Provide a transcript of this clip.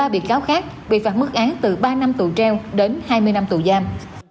một mươi ba biệt cáo khác biệt phạt mức án từ ba năm tù treo đến hai mươi năm tù giam